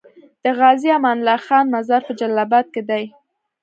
د غازي امان الله خان مزار په جلال اباد کی دی